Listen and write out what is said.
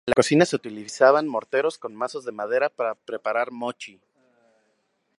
En la cocina se utilizaban morteros con mazos de madera para preparar mochi.